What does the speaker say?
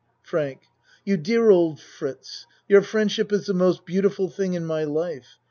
FRANK You dear old Fritz! Your friendship is the most beautiful thing in my life.